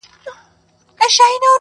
چي خاوند به یې روان مخ پر کوټې سو.!